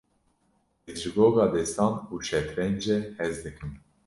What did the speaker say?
Ez ji goga destan û şetrencê hez dikim.